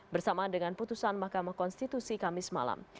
bersama dengan putusan mahkamah konstitusi kamis malam